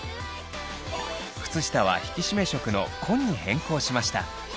靴下は引き締め色の紺に変更しました。